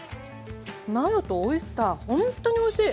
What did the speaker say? マヨとオイスターほんとにおいしい！